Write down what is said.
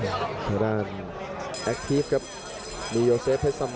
พยายามจะไถ่หน้านี่ครับการต้องเตือนเลยครับ